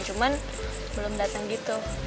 cuman belum dateng gitu